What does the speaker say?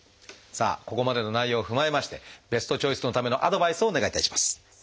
さあここまでの内容を踏まえましてベストチョイスのためのアドバイスをお願いいたします。